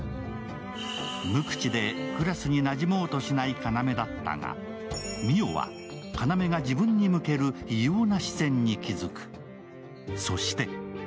無口でクラスになじもうとしない要だったが、澪は要が自分に向ける異様な視線に気付く。